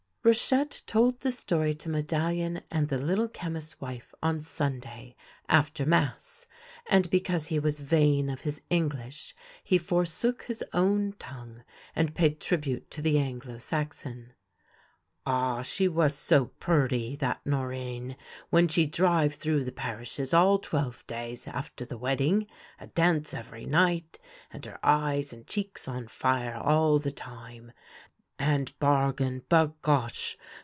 RACHETTE told the story to Medallion and the Little Chemist's wife on Sunday after Mass, and because he was vain of his English he forsook his own tongue and paid tribute to the Anglo Saxon. " Ah, she was so purty, that Norinne, when she drive through the parishes all twelve days, after the wedding, a dance every night, and her eyes and cheeks on fire all the time. And Bargon, bagosh